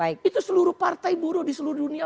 itu seluruh partai buruh di seluruh dunia